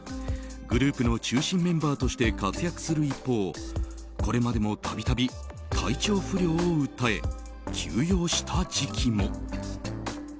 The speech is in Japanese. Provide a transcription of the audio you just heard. グループの中心メンバーとして活躍する一方これまでも度々体調不良を訴え休養した時期も。